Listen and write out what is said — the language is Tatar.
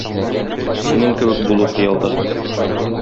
Синең кебек булу хыялда.